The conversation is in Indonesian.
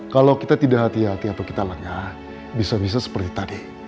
kalau kita tidak hati hati atau kita lengah bisa bisa seperti tadi